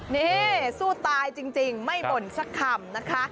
นี่สู้ตายจริงไม่บ่นสักคำนะคะ